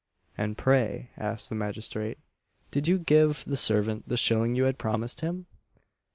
"And pray," asked the magistrate, "did you give the servant the shilling you had promised him?"